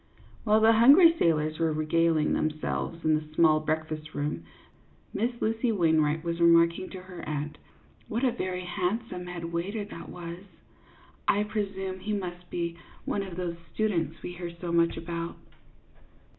While the hungry sailors were regaling themselves in the small breakfast room, Miss Lucy Wainwright was remarking to her aunt, " What a very handsome head waiter that was ! I presume he must be one of those students we hear so much about."